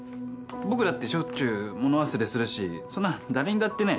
僕だってしょっちゅう物忘れするしそんなの誰にだってね。